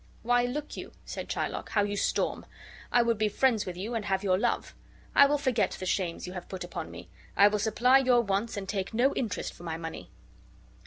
"Why, look you," said Shylock, "how you storm! I would be friends with you and have your love. I will forget the shames you have put upon me. I will supply your wants and take no interest for my money."